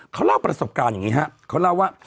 เขาเล่าประสบการณ์อย่างนี้ครับเขาเล่าว่า